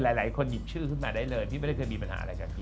หลายคนหยิบชื่อขึ้นมาได้เลยพี่ไม่ได้เคยมีปัญหาอะไรกับพี่